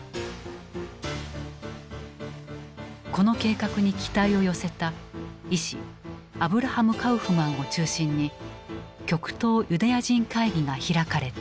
この計画に期待を寄せた医師アブラハム・カウフマンを中心に極東ユダヤ人会議が開かれた。